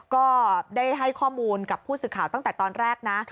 ก็ได้ให้ข้อมูลกับผู้สื่อข่าวตั้งแต่ตอนแรกนะ